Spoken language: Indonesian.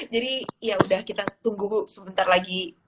jadi ya udah kita tunggu sebentar lagi